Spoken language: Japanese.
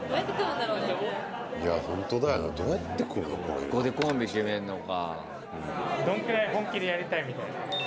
ここでコンビ決めんのか。